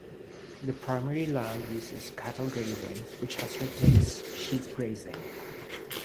The primary land use is cattle grazing which has replaced sheep grazing.